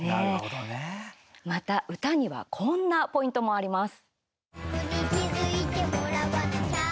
また、歌にはこんなポイントもあります。